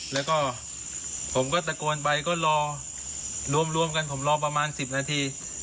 แล้วก็ผมก็ตะโกนไปก็รอรวมกันผมรอประมาณ๑๐นาที